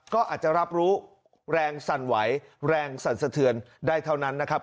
ก็อาจจะรับรู้แรงสั่นไหวแรงสั่นสะเทือนได้เท่านั้นนะครับ